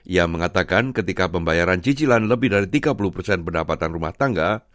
ia mengatakan ketika pembayaran cicilan lebih dari tiga puluh persen pendapatan rumah tangga